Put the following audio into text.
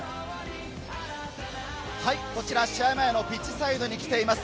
こちら試合前のピッチサイドに来ています。